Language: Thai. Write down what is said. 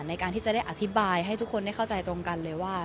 ในการที่จะได้อธิบายให้ทุกคนได้เข้าใจตรงกันเลยว่า